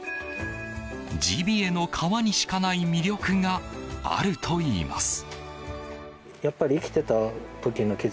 ジビエの革にしかない魅力があるといいます。